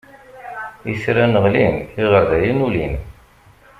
Itran ɣlin, iɣerdayen ulin.